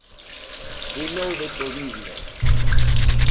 Finou de covidia.